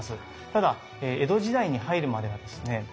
ただ江戸時代に入るまではですね